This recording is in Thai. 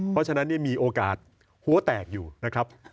เพราะฉะนั้นมีโอกาสหัวแตกอยู่นะครับ